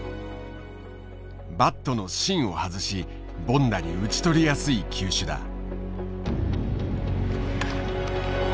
バットの芯を外し凡打に打ち取りやすい球種だ。